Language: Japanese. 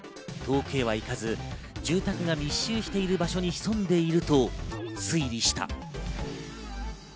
遠くへは行かず、住宅が密集している場所に潜んでいると推理した。